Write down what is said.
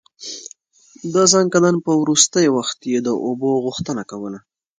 د ځنکدن په وروستی وخت يې د اوبو غوښتنه کوله.